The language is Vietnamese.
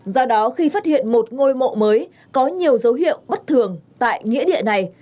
do đó khi phát hiện một ngôi mộ mới có nhiều dấu hiệu bất thường tại nghĩa địa này